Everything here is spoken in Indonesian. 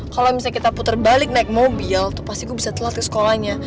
kalau misalnya kita putar balik naik mobil tuh pasti gue bisa telat ke sekolahnya